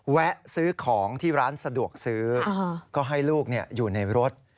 แวะซื้อของที่ร้านสะดวกซื้อก็ให้ลูกอยู่ในรถ